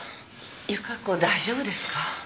由加子大丈夫ですか？